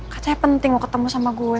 katanya penting mau ketemu sama gue